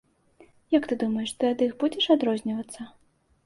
Як ты думаеш, ты ад іх будзеш адрознівацца?